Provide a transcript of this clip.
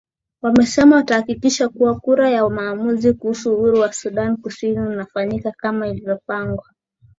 wanasema watahakikisha kuwa kura ya maamuzi kuhusu uhuru wa sudan kusini unafanyika kama ilivyopangwa